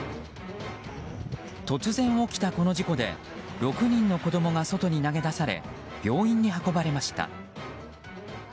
突然起きたこの事故で６人の子供が外に投げ出され病院に運ばれました。